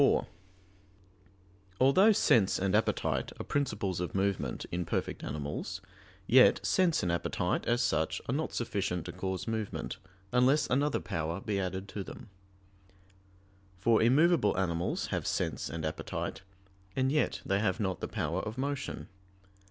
4: Although sense and appetite are principles of movement in perfect animals, yet sense and appetite, as such, are not sufficient to cause movement, unless another power be added to them; for immovable animals have sense and appetite, and yet they have not the power of motion.